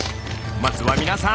まずは皆さん。